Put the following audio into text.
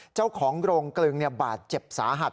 เจ้าของโรงกลึงบาดเจ็บสาหัส